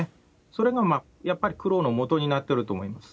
それがやっぱり苦労のもとになってると思います。